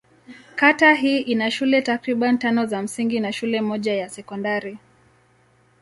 Kata hii ina shule takriban tano za msingi na shule moja ya sekondari.